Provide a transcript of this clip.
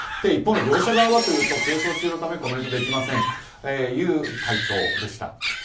一方の業者側は係争中のためコメントできませんという回答でした。